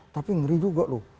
tapi ngeri juga loh